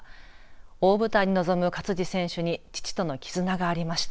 大舞台に臨む勝児選手に父とのきずながありました。